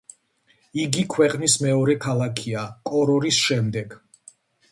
იგი ქვეყნის მეორე ქალაქია კორორის შემდეგ.